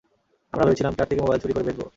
আমরা ভেবেছিলাম, ট্রাক থেকে মোবাইল চুরি করে বেচবো।